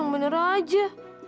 yang bener aja